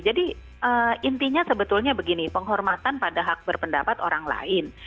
jadi intinya sebetulnya begini penghormatan pada hak berpendapat orang lain